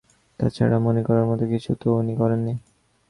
তা ছাড়া মনে করার মতো কিছু তো উনি করেন নি।